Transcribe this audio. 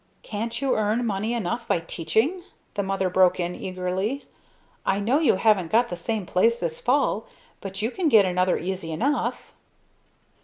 "Can't you earn money enough by teaching?" the Mother broke in eagerly. "I know you haven't got the same place this fall but you can get another easy enough."